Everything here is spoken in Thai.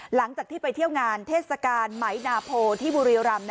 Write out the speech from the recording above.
หลังจากที่ไปเที่ยวงานเทศกาลไหมนาโพที่บุรีรำ